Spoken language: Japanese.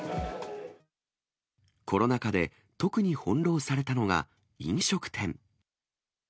コロナ禍で特に翻弄されたのが、飲食店。